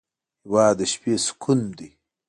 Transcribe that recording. هېواد د شپې سکون دی.